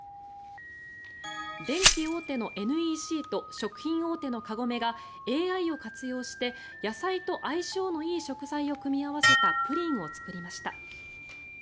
電機大手のＮＥＣと食品大手のカゴメがＡＩを活用して野菜と相性のいい食材を組み合わせたプリンを作りました。